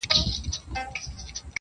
چي زما یادیږي دا قلاوي دا سمسور باغونه.!